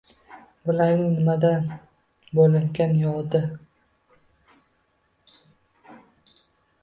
Bularning nimada bo‘larkan yodi!